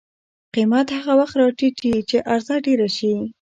قیمت هغه وخت راټیټي چې عرضه ډېره شي.